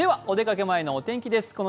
お出かけ前のお天気です。